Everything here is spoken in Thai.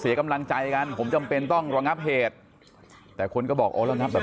เสียกำลังใจกันผมจำเป็นต้องระงับเหตุแต่คนก็บอกแบบ